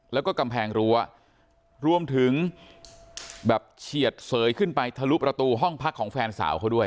แล้วก็กำแพงรั้วรวมถึงแบบเฉียดเสยขึ้นไปทะลุประตูห้องพักของแฟนสาวเขาด้วย